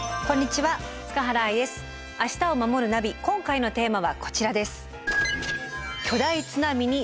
今回のテーマはこちらです。